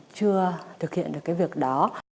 chưa thực hiện được cái việc đó